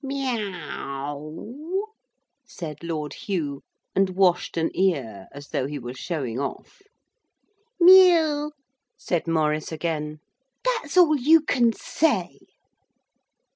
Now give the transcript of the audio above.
'Meaow,' said Lord Hugh, and washed an ear, as though he were showing off. 'Mew,' said Maurice again; 'that's all you can say.'